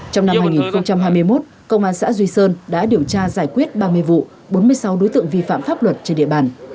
trong năm hai nghìn hai mươi một công an xã duy sơn đã điều tra giải quyết ba mươi vụ bốn mươi sáu đối tượng vi phạm pháp luật trên địa bàn